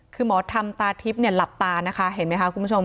คือหมอธรรมตาทิพย์เนี่ยหลับตานะคะเห็นไหมคะคุณผู้ชม